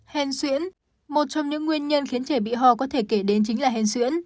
hèn xuyễn một trong những nguyên nhân khiến trẻ bị ho có thể kể đến chính là hèn xuyễn